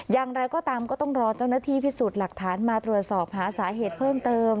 อย่างไรก็ตามก็ต้องรอเจ้าหน้าที่พิสูจน์หลักฐานมาตรวจสอบหาสาเหตุเพิ่มเติม